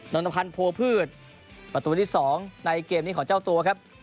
นตพันธ์โพพืชประตูที่๒ในเกมนี้ของเจ้าตัวครับ